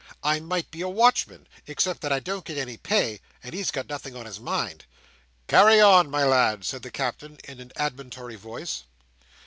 I might be a Watchman, except that I don't get any pay, and he's got nothing on his mind." "Carry on, my lad!" said the Captain, in an admonitory voice.